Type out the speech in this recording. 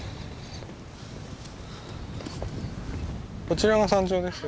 こちらが山頂です。